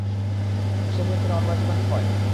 বিশ্বাসই হচ্ছে না ওর বয়স এখন ছয়!